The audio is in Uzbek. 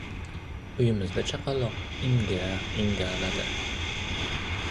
Uyimizda chaqaloq inga-ingaladi.